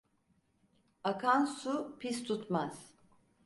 Akan su, pis tutmaz.